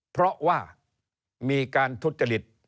เพราะว่ามีการทุจริต